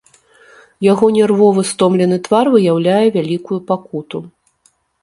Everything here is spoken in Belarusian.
Яго нервовы стомлены твар выяўляе вялікую пакуту.